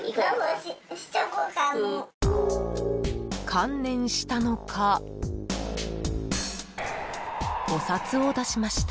［観念したのかお札を出しました］